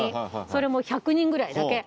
それも１００人ぐらいだけ。